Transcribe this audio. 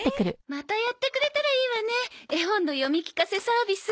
またやってくれたらいいわね絵本の読み聞かせサービス。